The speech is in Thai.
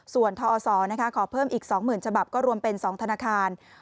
ส่วนทอศขอเพิ่มอีก๒๐๐๐ฉบับก็รวมเป็น๒ธนาคาร